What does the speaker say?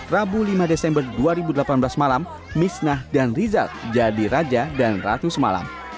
rabu lima desember dua ribu delapan belas malam misnah dan rizal jadi raja dan ratu semalam